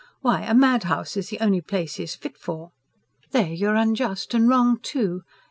Why, a madhouse is the only place he's fit for." "There you're unjust. And wrong, too.